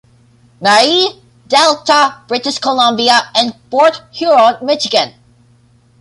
Marie, Delta, British Columbia and Port Huron, Michigan.